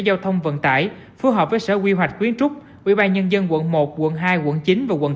giao thông vận tải phù hợp với xã quy hoạch kiến trúc ủy ban nhân dân quận một quận hai quận chín